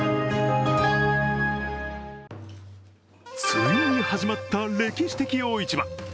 ついに始まった歴史的大一番。